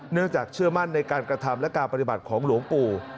เนื่องจากเชื่อมั่นในการกระทำและการปฏิบัติของหลวงปู่